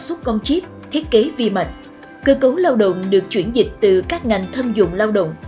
xuất con chip thiết kế vi mạch cơ cấu lao động được chuyển dịch từ các ngành thâm dụng lao động